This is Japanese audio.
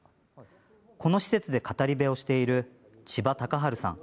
この施設で語り部をしている千葉崇治さん。